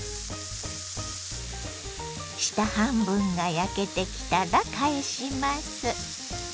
下半分が焼けてきたら返します。